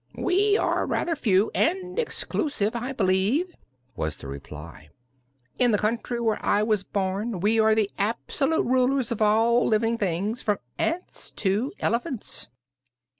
"We are rather few and exclusive, I believe," was the reply. "In the country where I was born we are the absolute rulers of all living things, from ants to elephants."